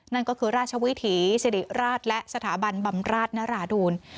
นั่นก็คือราชวิถีสิริราชและสถาบันบำราชนราดูล